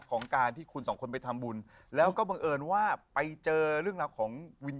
แจ๊คจิลวันนี้เขาสองคนไม่ได้มามูเรื่องกุมาทองอย่างเดียวแต่ว่าจะมาเล่าเรื่องประสบการณ์นะครับ